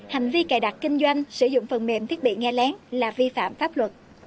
hành vi cài đặt kinh doanh sử dụng phần mềm thiết bị nghe lén là vi phạm pháp luật